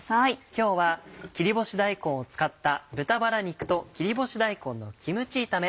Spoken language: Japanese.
今日は切り干し大根を使った「豚バラ肉と切り干し大根のキムチ炒め」。